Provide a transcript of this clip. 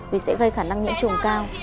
vì sẽ gây khả năng nhiễm trùng cao